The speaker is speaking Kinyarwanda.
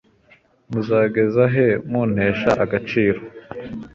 muzageza he muntesha agaciro